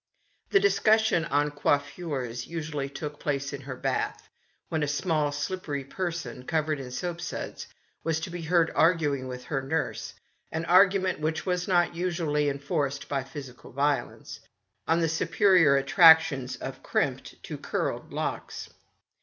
The discus sion on coiffures usually took place in her bath, when a small, slippery person covered in soap suds was to be heard arguing with her nurse — an argument which was not un usually enforced by physical violence — on the superior attractions of crimped to curled locks.